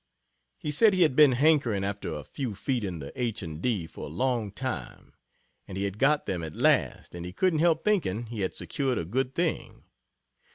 He said he had been hankering after a few feet in the H. and D. for a long time, and he had got them at last, and he couldn't help thinking he had secured a good thing.